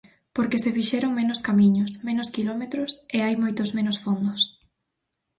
Porque se fixeron menos camiños, menos quilómetros e hai moitos menos fondos.